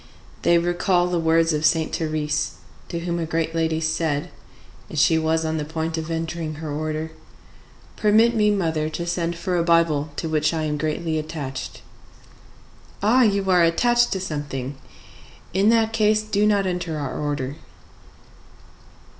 They recall the words of Saint Thérèse, to whom a great lady said, as she was on the point of entering her order, "Permit me, mother, to send for a Bible to which I am greatly attached." "Ah, you are attached to something! In that case, do not enter our order!"